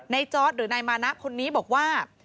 ในจอร์ดหรือในมานักคนนี้บอกว่า